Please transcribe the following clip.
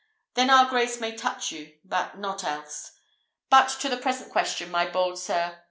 Then our grace may touch you, but not else. But to the present question, my bold sir.